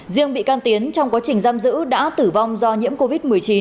riêng bị can tiến trong quá trình giam giữ đã tử vong do nhiễm covid một mươi chín